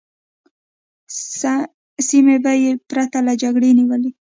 سیمې به یې پرته له جګړې نیولې.